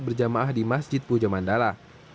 berjamaah di masjid puja mandala